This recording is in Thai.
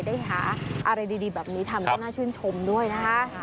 ได้หาอะไรดีแบบนี้ทำก็น่าชื่นชมด้วยนะคะ